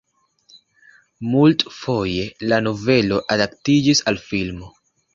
Multfoje la novelo adaptiĝis al filmo.